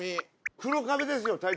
黒壁ですよ隊長！